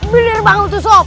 bener banget tuh sob